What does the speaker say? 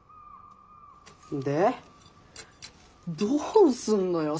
でどうすんのよ？